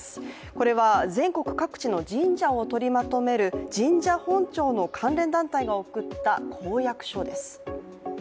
これは全国各地の神社をとりまとめる神社本庁の関連団体が送った公約書です。